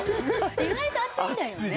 意外と暑いんだよね。